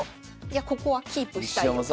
いやここはキープしたいよと。